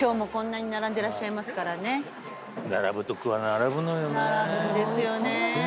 並ぶんですよね。